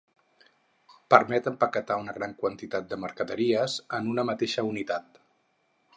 Permet empaquetar una gran quantitat de mercaderies en una mateixa unitat.